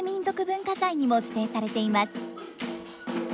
文化財にも指定されています。